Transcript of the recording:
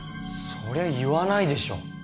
そりゃ言わないでしょ。